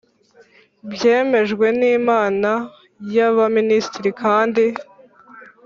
Byemejwe n inama y abaminisitiri kandi